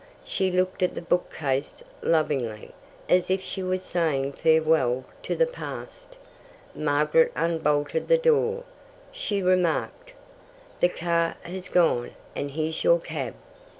She looked at the bookcase lovingly, as if she was saying farewell to the past. Margaret unbolted the door. She remarked: "The car has gone, and here's your cab."